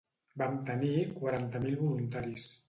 Vam tenir quaranta mil voluntaris.